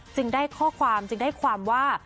ได้ข้อความจึงได้ความว่า